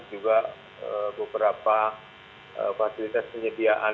juga beberapa fasilitas penyediaan